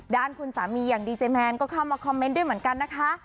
ด้านคุณสามีอย่างดีเจแมนก็เข้ามาคอมเมนต์ด้วยเหมือนกันนะคะ